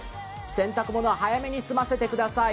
洗濯物は早めに済ませてください。